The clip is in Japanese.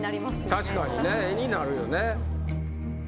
確かにね絵になるよね。